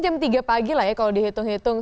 jam tiga pagi lah ya kalau dihitung hitung